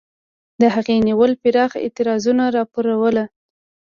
د هغې نیولو پراخ اعتراضونه را وپارول.